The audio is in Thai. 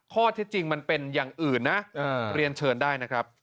ข้อเท็จจริงมันเป็นอย่างอื่นนะเรียนเชิญได้นะครับ